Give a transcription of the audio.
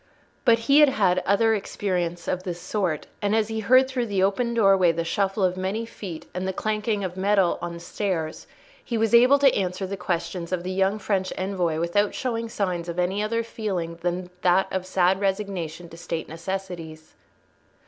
But he had had other experience of this sort, and as he heard through the open doorway the shuffle of many feet and the clanking of metal on the stairs, he was able to answer the questions of the young French envoy without showing signs of any other feeling than that of sad resignation to State necessities.